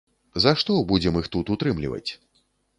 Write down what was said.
За што будзем іх тут утрымліваць?